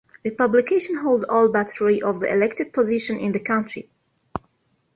Republicans hold all but three of the elected positions in the county.